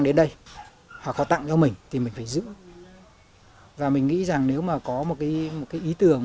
đến đây họ có tặng cho mình thì mình phải giữ và mình nghĩ rằng nếu mà có một cái một cái ý tưởng